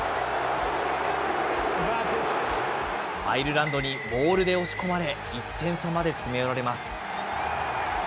アイルランドにモールで押し込まれ、１点差まで詰め寄られます。